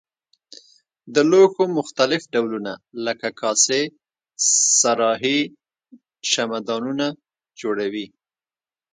د لوښو مختلف ډولونه لکه کاسې صراحي شمعه دانونه جوړوي.